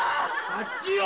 あっちいよ。